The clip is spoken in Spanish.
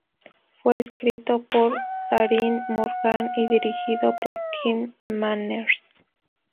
Fue escrito por Darin Morgan y dirigido por Kim Manners.